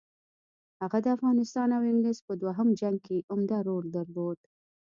هغه د افغانستان او انګلیس په دوهم جنګ کې عمده رول درلود.